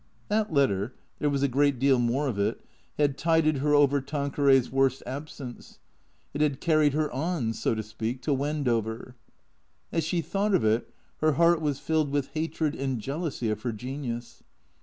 That letter (tliere was a great deal more of it) had tided THECREATORS 91 her over Tanqueray's worst absence; it had carried her on, so to speak, to Wendover. As she thought of it her heart was filled with hatred and jealousy of her genius.